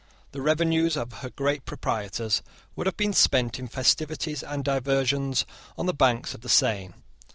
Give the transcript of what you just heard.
The revenues of her great proprietors would have been spent in festivities and diversions on the banks of the Seine.